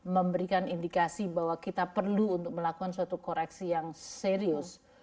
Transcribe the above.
memberikan indikasi bahwa kita perlu untuk melakukan suatu koreksi yang serius